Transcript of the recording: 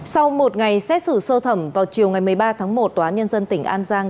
sau một ngày xét xử sơ thẩm vào chiều ngày một mươi ba tháng một tòa nhân dân tỉnh an giang